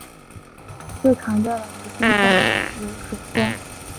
最常见的离心泵例如水泵。